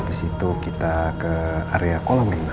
abis itu kita ke area kolam lainnya